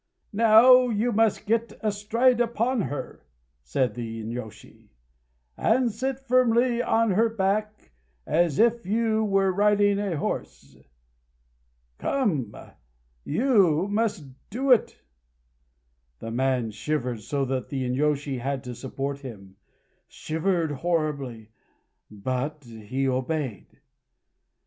"Now you must get astride upon her," said the inyôshi, "and sit firmly on her back, as if you were riding a horse.... Come! you must do it!" The man shivered so that the inyôshi had to support him shivered horribly; but he obeyed.